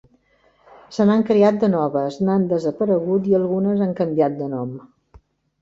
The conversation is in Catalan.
Se n'han creat de noves, n'han desaparegut i algunes han canviat de nom.